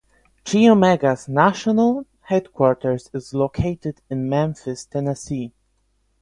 Chi Omega's national headquarters is located in Memphis, Tennessee.